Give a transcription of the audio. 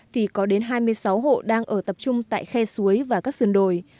thì có đến hai mươi sáu hộ đang ở tập trung tại khe suối và các sườn đồi